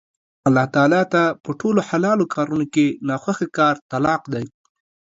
الله تعالی ته په ټولو حلالو کارونو کې نا خوښه کار طلاق دی